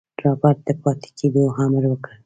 رابرټ د پاتې کېدو امر وکړ.